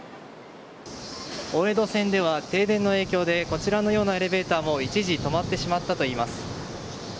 大江戸線では停電の影響でこちらのようなエレベーターも一時止まってしまったといいます。